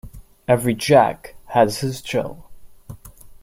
Every Jack has his Jill.